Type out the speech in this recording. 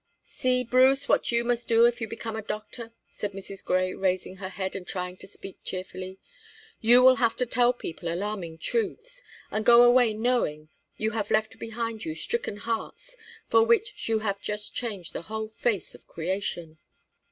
"See, Bruce, what you must do if you become a doctor," said Mrs. Grey, raising her head and trying to speak cheerfully. "You will have to tell people alarming truths, and go away knowing you have left behind you stricken hearts, for which you have just changed the whole face of creation."